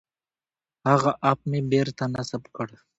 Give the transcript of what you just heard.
هغه اپ مې بېرته نصب کړ.